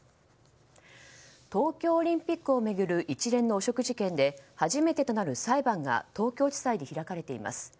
東京オリンピックを巡る一連の汚職事件で初めてとなる裁判が東京地裁で東京地裁で開かれています。